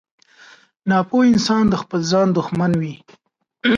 • ناپوه انسان د خپل ځان دښمن وي.